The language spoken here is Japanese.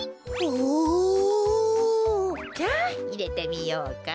おお！じゃあいれてみようか。